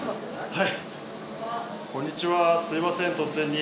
はい。